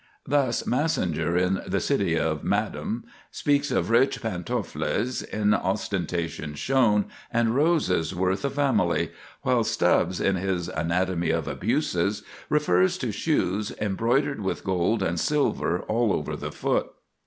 Thus, Massinger, in "The City Madam," speaks of rich "pantofles in ostentation shown, and roses worth a family"; while Stubbs, in his "Anatomy of Abuses," refers to shoes "embroidered with gold and silver all over the foot."